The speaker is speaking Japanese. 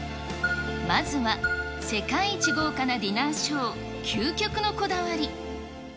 まずは世界一豪華なディナーショー、究極のこだわり。